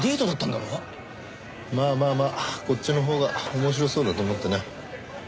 まあまあまあこっちのほうが面白そうだと思ってな。